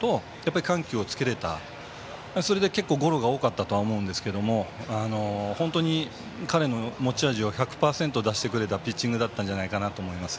緩急をつけれたそれで結構ゴロが多かったと思うんですけれども、本当に彼の持ち味１００％出してくれたピッチングだったんじゃないかと思います。